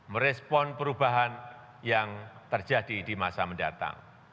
merespon perubahan yang terjadi di masa mendatang